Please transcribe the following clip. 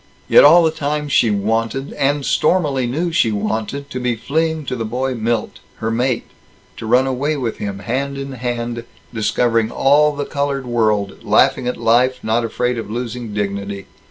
Yet all the time she wanted, and stormily knew she wanted, to be fleeing to the boy Milt, her mate; to run away with him, hand in hand, discovering all the colored world, laughing at life, not afraid of losing dignity.